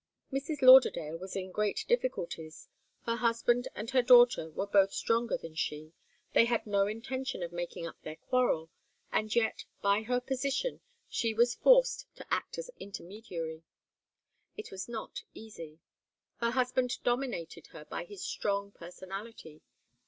Mrs. Lauderdale was in great difficulties. Her husband and her daughter were both stronger than she, they had no intention of making up their quarrel, and yet, by her position, she was forced to act as intermediary. It was not easy. Her husband dominated her by his strong personality.